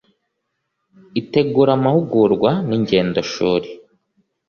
Itegura amahugurwa n ingendoshuri